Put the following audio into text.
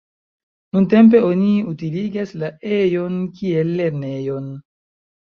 Nuntempe oni utiligas la ejon kiel lernejon.